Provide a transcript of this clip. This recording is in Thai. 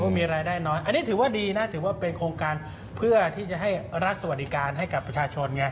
มีรายได้น้อยอันนี้ถือว่าดีนะถือว่าเป็นโครงการเพื่อที่จะให้รักสวัสดิการให้กับประชาชนไง